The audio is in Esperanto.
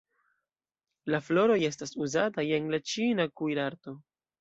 La floroj estas uzataj en la ĉina kuirarto.